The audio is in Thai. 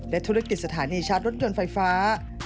ธุรกิจสถานีชาร์จรถยนต์ไฟฟ้า